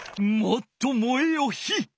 「もっと燃えよ火」！